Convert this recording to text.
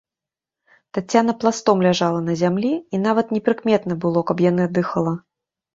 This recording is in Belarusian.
Таццяна пластом ляжала на зямлі, і нават непрыкметна было, каб яна дыхала.